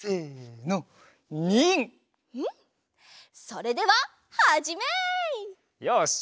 それでははじめい！よし！